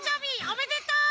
おめでとう！